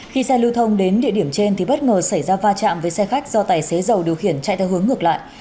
khi xe lưu thông đến địa điểm trên thì bất ngờ xảy ra va chạm với xe khách do tài xế giàu điều khiển chạy theo hướng ngược lại